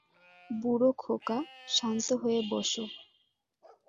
বুড়ো খোকা, শান্ত হয়ে বস!